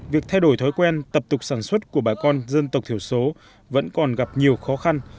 việc thay đổi thói quen tập tục sản xuất của bà con dân tộc thiểu số vẫn còn gặp nhiều khó khăn